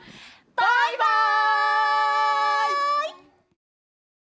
バイバイ！